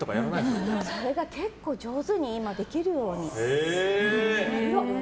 ッてそれが結構上手に今、できるようになりました。